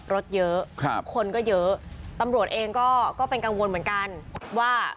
รถเยอะครับคนก็เยอะตำรวจเองก็เป็นกังวลเหมือนกันว่า